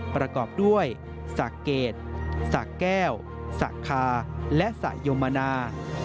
ประกอบด้วยสะเกดสะแก้วสะคาและสะโยมนา